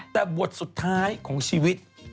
แต่บทสุดท้ายของชีวิต